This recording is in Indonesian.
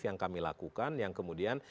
yang kami lakukan yang kemudian